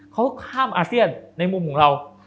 เขาข้ามอาเซียนในมุมของเรา